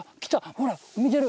ほら見てる。